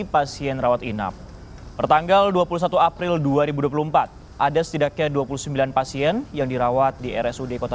pasien rawat inap pertanggal dua puluh satu april dua ribu dua puluh empat ada setidaknya dua puluh sembilan pasien yang dirawat di rsud kota